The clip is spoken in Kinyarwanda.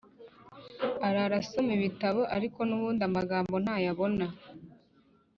Arara asoma ibitabo ariko nubundi amagambo ntayo abona